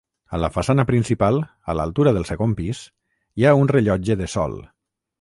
A la façana principal, a l'altura del segon pis, hi ha un rellotge de sol.